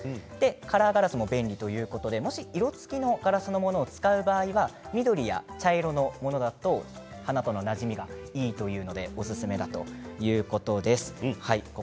カラーガラスも便利ということでもし、色つきのガラスのものを使う場合は緑や茶色のものだと花とのなじみがいいというのでおすすめだということです。